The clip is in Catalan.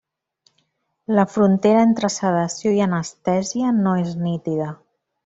La frontera entre sedació i anestèsia no és nítida.